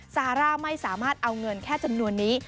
ซาร่าไม่สามารถเอาเงินแค่จำนวนนี้